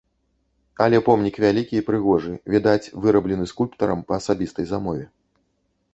Але помнік вялікі і прыгожы, відаць, выраблены скульптарам па асабістай замове.